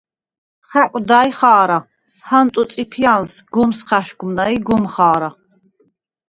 “ხა̈კვდა̄-ჲ ხა̄რა! ჰანტო წიფია̄ნს გომს ხაშგვმა ი გომ ხა̄რა!”